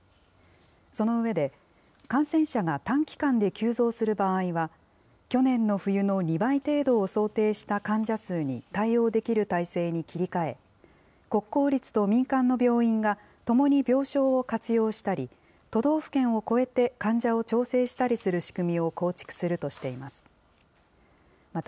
その上で、感染者が短期間で急増する場合は、去年の冬の２倍程度を想定した患者数に対応できる体制に切り替え、国公立と民間の病院がともに病床を活用したり、都道府県を超えて患者を調整したりする仕組みを構築するとしています。